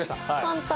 簡単！